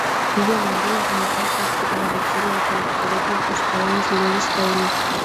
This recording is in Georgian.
ნიდერლანდურ ნაგაზს აქვს შედარებით მცირე, აწეული ყურები, უხეში ბალანი, ძლიერი სხეული.